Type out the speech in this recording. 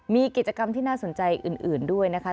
มีกิจกรรมที่น่าสนใจอื่นด้วยนะคะ